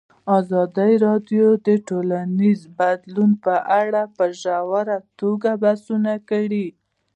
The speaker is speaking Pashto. ازادي راډیو د ټولنیز بدلون په اړه په ژوره توګه بحثونه کړي.